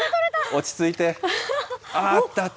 落ち着いて。